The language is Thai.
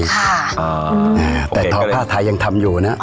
ค่ะอ่าแต่พ่อพ่อไทยยังทำอยู่น่ะอ๋อ